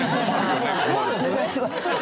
お願いします。